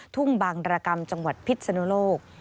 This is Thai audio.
ทุ่งบางรกรรมจังหวัดพิษนุโลก